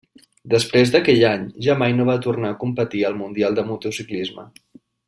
Després d'aquell any, ja mai no va tornar a competir al mundial de motociclisme.